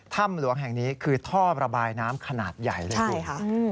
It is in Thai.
ถ้ำหลวงแห่งนี้คือท่อระบายน้ำขนาดใหญ่เลยคุณ